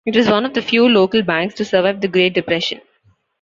It was one of the few local banks to survive the Great Depression.